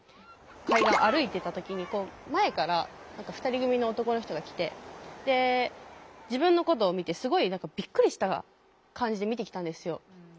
海岸を歩いてた時に前から２人組の男の人が来て自分のことを見てすごいびっくりした感じで見てきたんですよ。